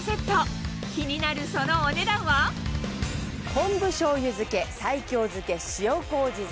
昆布醤油漬西京漬塩麹漬。